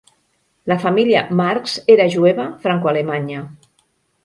La família Marx era jueva franco-alemanya.